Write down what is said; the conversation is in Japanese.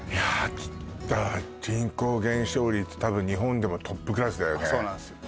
秋田は人口減少率たぶん日本でもトップクラスだよねそうなんですよ